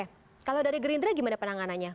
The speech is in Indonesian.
dprd greendra bagaimana penanganannya